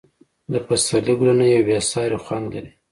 د پسرلي ګلونه یو بې ساری خوند لري.